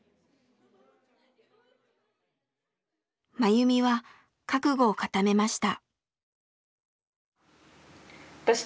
マユミは覚悟を固めました。